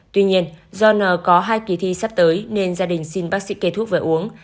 tuy nhiên do n có hai kỳ thi sắp tới nên gia đình xin bác sĩ kê thuốc về uống